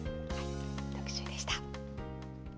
特集でした。